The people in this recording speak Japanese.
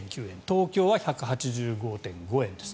東京は１８５．５円です。